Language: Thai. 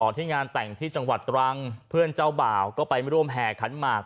ที่งานแต่งที่จังหวัดตรังเพื่อนเจ้าบ่าวก็ไปร่วมแห่ขันหมาก